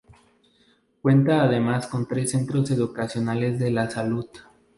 Cuenta además con tres centros educacionales de la salud.